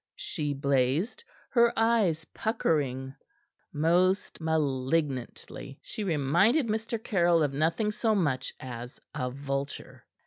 she blazed, her eyes puckering most malignantly. She reminded Mr. Caryll of nothing so much as a vulture.